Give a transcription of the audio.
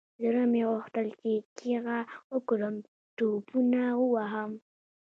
زړه مې غوښتل چې چيغه وكړم ټوپونه ووهم.